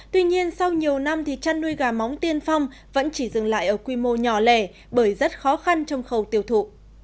tuy nhiên sau nhiều năm thì chăn nuôi gà móng tiên phong vẫn chỉ dừng lại ở quy mô nhỏ lẻ bởi rất khó khăn trong khâu tiêu thụ